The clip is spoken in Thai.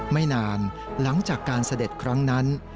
ไม่นานหลังจากการเสด็จครั้งนั้น